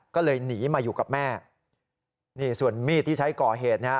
ก็เลยหนีมาอยู่กับแม่นี่ส่วนมีดที่ใช้ก่อเหตุนะฮะ